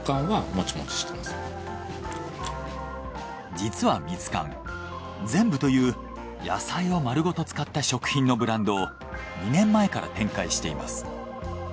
実はミツカンゼンブという野菜を丸ごと使った食品のブランドを２年前から展開しています。